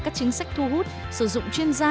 các chính sách thu hút sử dụng chuyên gia